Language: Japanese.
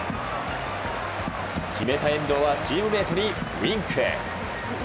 決めた遠藤はチームメートにウィンク。